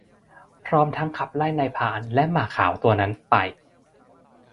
พร้อมทั้งขับไล่นายพรานและหมาขาวตัวนั้นไป